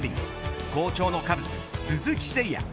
好調のカブス、鈴木誠也。